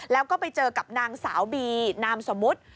แล้วก็ไปเจอกับนางสาวบีนามสมมุติ